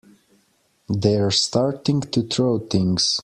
They're starting to throw things!